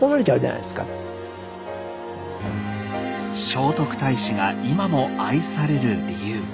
聖徳太子が今も愛される理由。